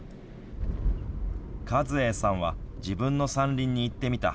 和栄さんは自分の山林に行ってみた。